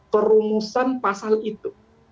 perumusan pasal itu